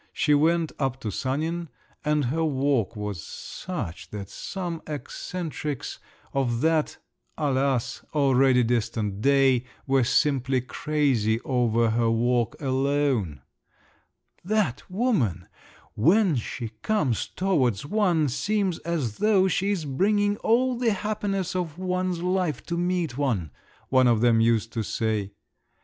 She went up to Sanin … and her walk was such that some eccentrics of that—alas!—already, distant day, were simply crazy over her walk alone. "That woman, when she comes towards one, seems as though she is bringing all the happiness of one's life to meet one," one of them used to say.